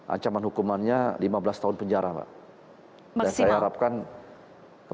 ancaman hukumannya lima belas tahun penjara mbak